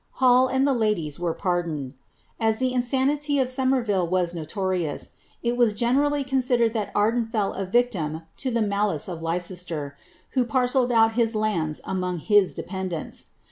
Hall and th ladies were pardoned. As the insanity of Somerville was nolorioDS, : was generally considered ihal Arden fell a victim lo the malice of Le cester, tvho parcelled out his lands among his dependants.'